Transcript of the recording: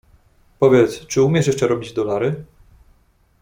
"Powiedz, czy umiesz jeszcze robić dolary?"